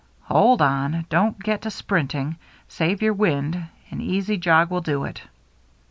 "Hold on, don't get to sprinting. Save your wind. An easy jog will do it."